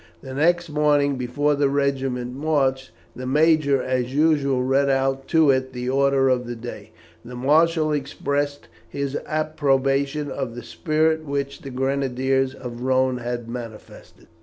The next morning, before the regiment marched, the major as usual read out to it the order of the day. The marshal expressed his approbation of the spirit which the Grenadiers of the Rhone had manifested.